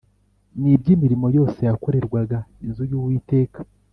N iby imirimo yose yakorerwaga inzu y uwiteka